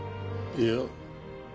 いや